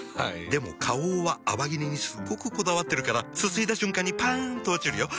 でも花王は泡切れにすっごくこだわってるからすすいだ瞬間にパン！と落ちるよ。